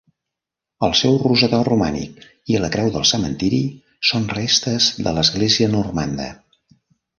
El seu rosetó romànic i la creu del cementiri són restes de l'església normanda.